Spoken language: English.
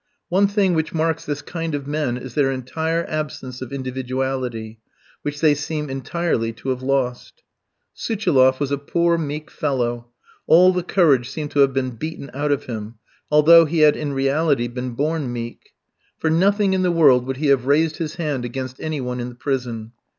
One thing which marks this kind of men is their entire absence of individuality, which they seem entirely to have lost. Suchiloff was a poor, meek fellow; all the courage seemed to have been beaten out of him, although he had in reality been born meek. For nothing in the world would he have raised his hand against any one in the prison.